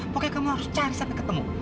pokoknya kamu harus cari sampai ketemu